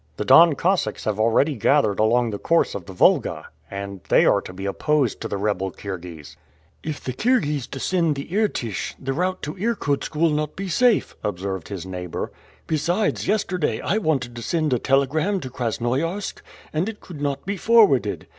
The Don Cossacks have already gathered along the course of the Volga, and they are to be opposed to the rebel Kirghiz." "If the Kirghiz descend the Irtish, the route to Irkutsk will not be safe," observed his neighbor. "Besides, yesterday I wanted to send a telegram to Krasnoiarsk, and it could not be forwarded.